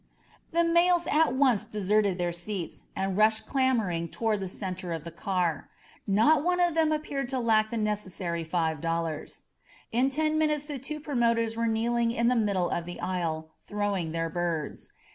The males at once deserted their seats and rushed clamoring toward the center of the car. Not one of them appeared to lack the necessary five dollars. In ten minutes the two promoters were kneeling in the middle of the aisle, throwing their birds.